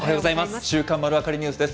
週刊まるわかりニュースです。